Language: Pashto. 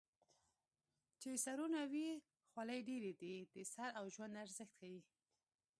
چې سرونه وي خولۍ ډېرې دي د سر او ژوند ارزښت ښيي